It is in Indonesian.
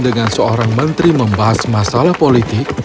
dengan seorang menteri membahas masalah politik